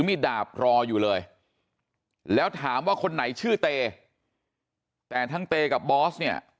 มีดดาบรออยู่เลยแล้วถามว่าคนไหนชื่อเตแต่ทั้งเตกับบอสเนี่ย